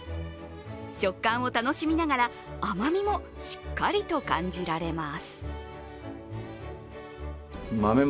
食感を楽しみながら甘みもしっかりと感じられます。